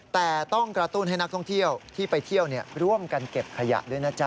แต่ต้องกระตุ้นให้นักท่องเที่ยวที่ไปเที่ยวร่วมกันเก็บขยะด้วยนะจ๊